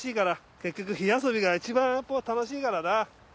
結局火遊びが一番楽しいからな。